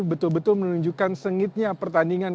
betul betul menunjukkan sengitnya pertandingan